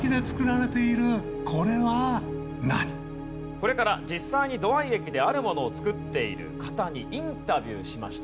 これから実際に土合駅であるものを作っている方にインタビューしました。